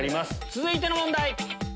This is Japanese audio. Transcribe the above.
続いての問題。